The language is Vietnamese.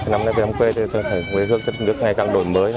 năm nay về thăm quê thì quê hương rất là đổi mới